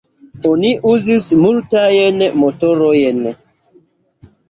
Oni uzis multajn motorojn.